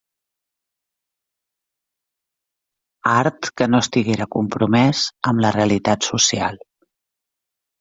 Art que no estiguera compromès amb la realitat social.